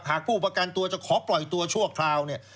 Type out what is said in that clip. ผู้ประกันตัวจะขอปล่อยตัวชั่วคราวเนี่ย